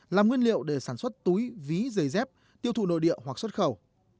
làm nguyên liệu để sản xuất túi ví giày dép tiêu thụ nội địa hoặc xuất khẩu